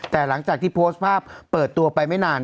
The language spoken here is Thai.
แต่หลังจากที่โพสต์ภาพเปิดตัวไปไม่นาน